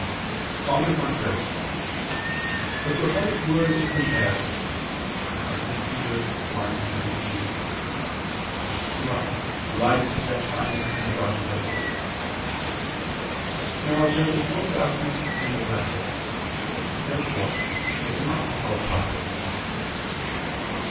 On the contrary, The prophetic word is compared (2 Pet. 1:19) to a "light that shineth in a dark place." Now there is no darkness in the blessed. Therefore they cannot be called prophets.